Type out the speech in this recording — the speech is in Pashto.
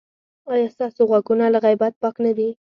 ایا ستاسو غوږونه له غیبت پاک نه دي؟